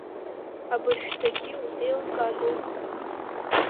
Абыржәшьҭагьы иузеилымкааӡои?